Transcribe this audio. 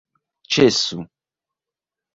ĉesu